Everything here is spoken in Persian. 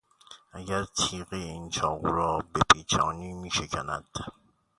اگر تیغهی این چاقو را بپیچانی میشکند.